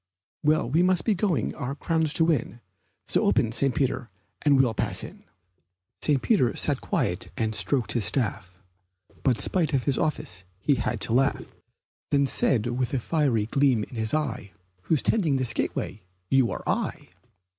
Well, we must be going our crowns to win, So open, St. Peter, and we'll pass in." St. Peter sat quiet and stroked his staff; But spite of his office he had to laugh; Then said with a fiery gleam in his eye, "Who's tending this gateway you or I?"